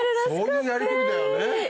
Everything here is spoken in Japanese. そういうやりとりだよね。